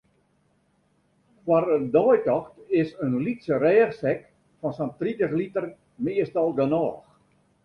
Foar in deitocht is in lytse rêchsek fan sa'n tritich liter meastal genôch.